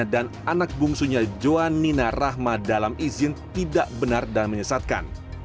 dan anak bungsunya joannina rahma dalam izin tidak benar dan menyesatkan